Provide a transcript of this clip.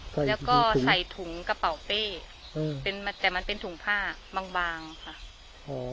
แล้วก็ใส่ถุงกระเป๋าเป้อืมเป็นแต่มันเป็นถุงผ้าบางบางค่ะโอ้โห